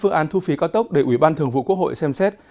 phương án thu phí cao tốc để ủy ban thường vụ quốc hội xem xét